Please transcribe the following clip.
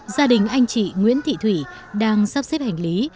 gia đình anh chị nguyễn thị thủy đang sắp xếp hành lý